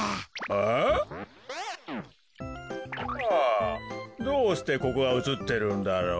あっ！？どうしてここがうつってるんだろう？